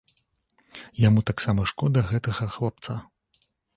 Яму таксама шкода гэтага хлапца.